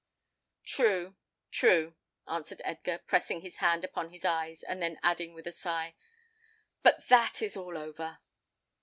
"True, true," answered Edgar, pressing his hand upon his eyes, and then adding with a sigh, "but that is over."